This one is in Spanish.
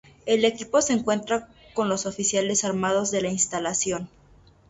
El equipo se encuentra con los oficiales armados de la instalación.